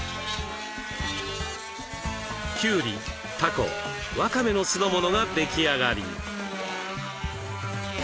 きゅうりたこわかめの酢の物が出来上がり。